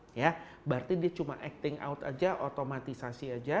berarti dia cuma acting out saja otomatisasi saja